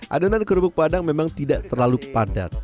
adonan kerupuk padang memang tidak terlalu padat